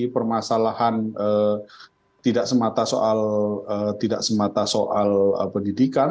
permasalahan tidak semata soal pendidikan